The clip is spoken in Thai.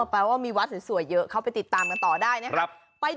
แปลว่ามีวัดสวยเยอะเข้าไปติดตามกันต่อได้นะครับ